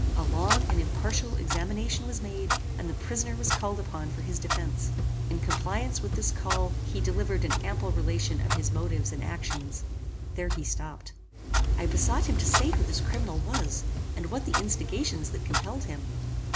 A long and impartial examination was made, and the prisoner was called upon for his defence. In compliance with this call he delivered an ample relation of his motives and actions." There he stopped. I besought him to say who this criminal was, and what the instigations that compelled him.